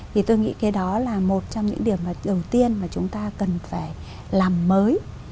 thì tôi nghĩ cái đó là một trong những điểm đầu tiên mà chúng ta cần phải làm mới